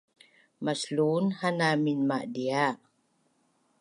Maslun ha na minmadia’